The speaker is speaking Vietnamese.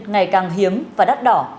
ngày càng hiếm và đắt đỏ